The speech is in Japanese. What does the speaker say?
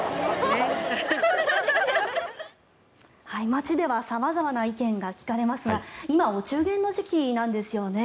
街では様々な意見が聞かれますが今、お中元の時期なんですよね。